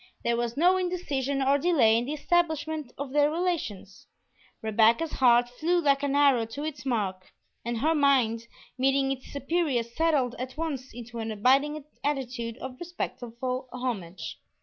There was no indecision or delay in the establishment of their relations; Rebecca's heart flew like an arrow to its mark, and her mind, meeting its superior, settled at once into an abiding attitude of respectful homage.